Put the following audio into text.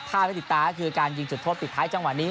ภาพที่ติดตาคือการยิงจุดทดติดท้ายจังหวะนี้